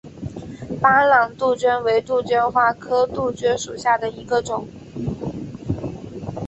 巴朗杜鹃为杜鹃花科杜鹃属下的一个种。